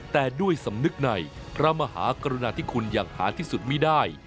แต่ด้วยสำนึกในพระมหากรุณาธิคุณอย่างหาที่สุดไม่ได้